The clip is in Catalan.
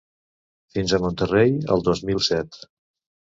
Fins a Monterrey el dos mil set!